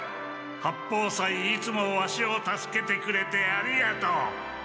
八方斎いつもワシを助けてくれてありがとう！」。